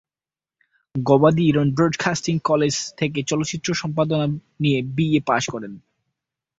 গবাদি Iran broadcasting college থেকে চলচ্চিত্র সম্পাদনা নিয়ে বিএ পাশ করেন।